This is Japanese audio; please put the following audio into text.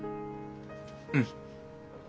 うん。